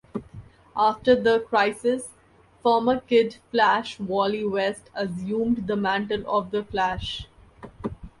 After the "Crisis", former Kid Flash Wally West assumed the mantle of the Flash.